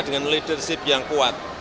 dengan leadership yang kuat